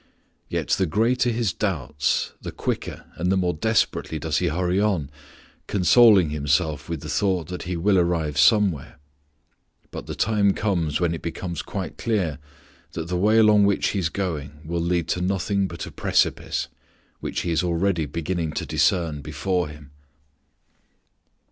Yet the greater his doubts, the quicker and the more desperately does he hurry on, consoling himself with the thought that he will arrive somewhere. But the time comes when it becomes quite clear that the way along which he is going will lead to nothing but a precipice, which he is already beginning to discern before him.